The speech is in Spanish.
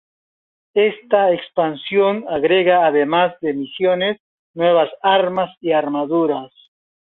Esta expansión agrega además de misiones, nuevas armas y armaduras.